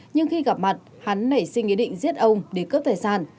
nhưng khi gặp mặt hắn nảy sinh ý định giết ông để cướp tài sản